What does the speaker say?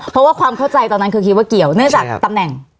เพราะว่าความเข้าใจตอนนั้นคือคิดว่าเกี่ยวเนื่องจากตำแหน่ง